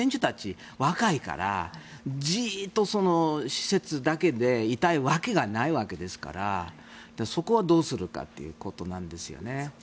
みんな若いからじっと施設だけにいたいわけがないわけですからそこをどうするかということなんですよね。